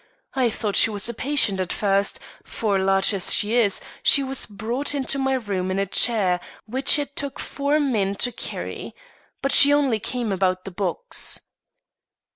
I thought she was a patient at first, for, large as she is, she was brought into my room in a chair, which it took four men to carry. But she only came about the box."